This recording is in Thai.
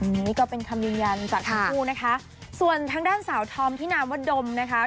อันนี้ก็เป็นคำยืนยันจากทั้งคู่นะคะส่วนทางด้านสาวธอมที่นามวดมนะคะ